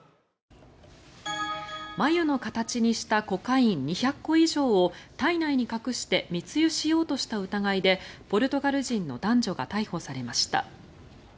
繭の形にしたコカイン２００個以上を体内に隠して密輸しようとした疑いでポルトガル人の男女が逮捕されました。